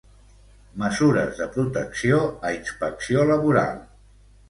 Mesures de protecció a inspecció laboral.